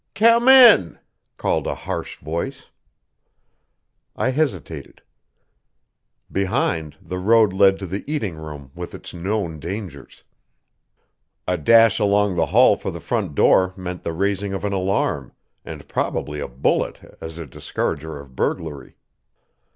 "Come in!" called a harsh voice. I hesitated. Behind, the road led to the eating room with its known dangers. A dash along the hall for the front door meant the raising of an alarm, and probably a bullet as a discourager of burglary.